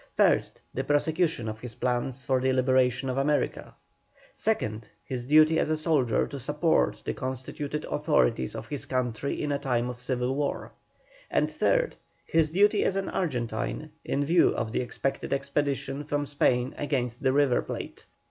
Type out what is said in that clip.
First, the prosecution of his plans for the liberation of America; second, his duty as a soldier to support the constituted authorities of his country in a time of civil war; and third, his duty as an Argentine in view of the expected expedition from Spain against the River Plate.